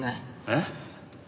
えっ？